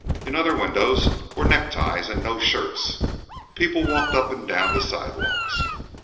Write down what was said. In other windows were neckties and no shirts. People walked up and down the sidewalks.